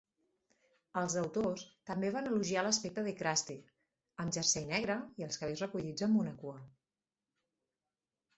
Els autors també van elogiar l'aspecte de Krusty, "amb jersei negre i els cabells recollits amb una cua".